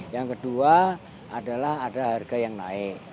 yang kedua adalah ada harga yang naik